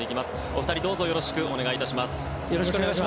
お二人、どうぞよろしくお願いします。